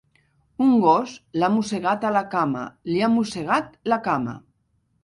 Un gos l'ha mossegat a la cama, li ha mossegat la cama.